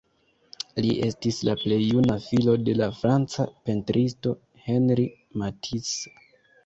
Li estis la plej juna filo de la franca pentristo Henri Matisse.